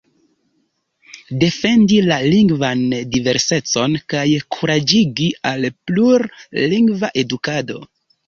Defendi la lingvan diversecon kaj kuraĝigi al plur-lingva edukado.